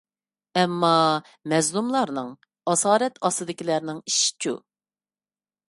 ئەمما، مەزلۇملارنىڭ، ئاسارەت ئاستىدىكىلەرنىڭ ئىشىچۇ؟